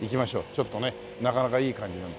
ちょっとねなかなかいい感じなんで。